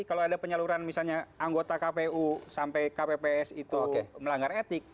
kalau ada penyaluran misalnya anggota kpu sampai kpps itu melanggar etik